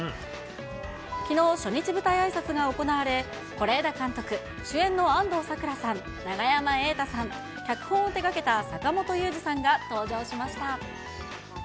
きのう、初日舞台あいさつが行われ、是枝監督、主演の安藤サクラさん、永山瑛太さん、脚本を手がけた坂元裕二さんが登場しました。